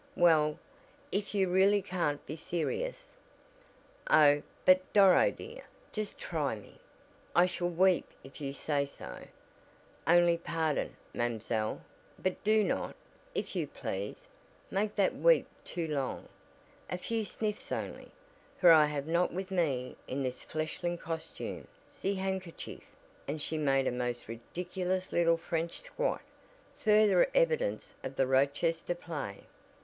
"Well, if you really can't be serious "Oh, but, Doro dear, just try me. I shall weep if you say so, only pardon, mamselle, but do not, if you please, make that weep too long, a few sniffs only, for I have not with me in this fleshling costume ze 'kerchief," and she made a most ridiculous little French "squat," further evidence of the Rochester play.